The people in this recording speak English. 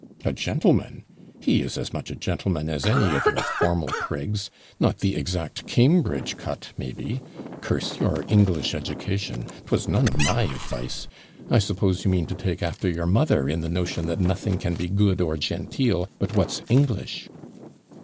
'A gentleman! he is as much a gentleman as any of your formal prigs not the exact Cambridge cut, maybe. Curse your English education! 'Twas none of my advice. I suppose you mean to take after your mother in the notion that nothing can be good, or genteel, but what's English.'